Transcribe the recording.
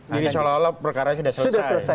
jadi seolah olah perkara sudah selesai